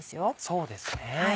そうですね。